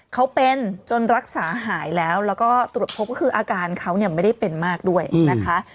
เขาเป็นจนรักษาหายแล้วแล้วก็ตรวจพบก็คืออาการเขาเนี่ยไม่ได้เป็นมากด้วยนะคะ